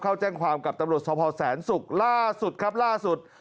เข้าแจ้งความกับตำรวจสภแสนศุกร์ล่าสุดครับล่าสุด